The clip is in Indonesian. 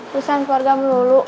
urusan keluarga melulu